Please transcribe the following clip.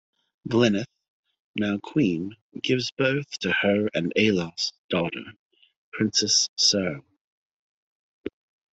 Glyneth, now Queen, gives birth to her and Aillas' daughter, Princess Serle.